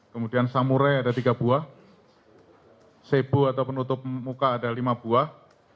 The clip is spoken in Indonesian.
kemudian samurai ada tiga buah sebo atau penutup muka ada lima buah